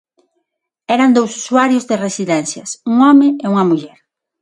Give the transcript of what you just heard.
Eran dous usuarios de residencias: un home e unha muller.